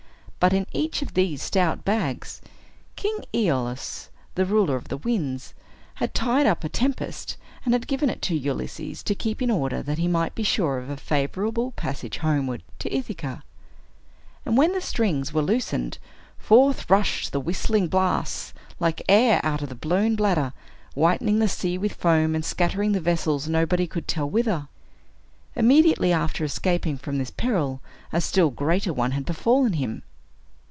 But in each of these stout bags, King Aeolus, the ruler of the winds, had tied up a tempest, and had given it to Ulysses to keep in order that he might be sure of a favorable passage homeward to Ithaca; and when the strings were loosened, forth rushed the whistling blasts, like air out of a blown bladder, whitening the sea with foam, and scattering the vessels nobody could tell whither. Immediately after escaping from this peril, a still greater one had befallen him.